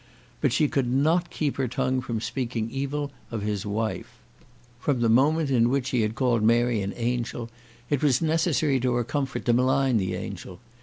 But she could not keep her tongue from speaking evil of his wife. From the moment in which he had called Mary an angel, it was necessary to her comfort to malign the angel.